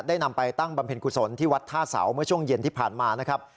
นำไปตั้งบำเพ็ญกุศลที่วัดท่าเสาเมื่อช่วงเย็นที่ผ่านมานะครับ